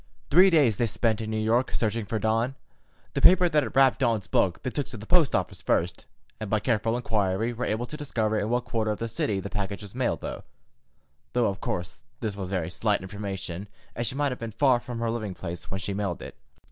Three days they spent in New York, searching for Dawn. The paper that had wrapped Dan's book they took to the post office first, and by careful inquiry were able to discover in what quarter of the city the package was mailed, though, of course, this was very slight information, as she might have been far from her living place when she mailed it.